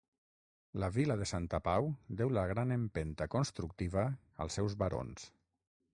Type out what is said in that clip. La Vila de Santa Pau deu la gran empenta constructiva als seus barons.